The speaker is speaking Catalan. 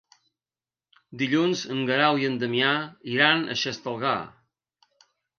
Dilluns en Guerau i en Damià iran a Xestalgar.